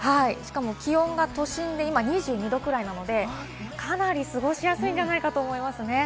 気温が都心で今２２度くらいなので、かなり過ごしやすいんじゃないかと思いますね。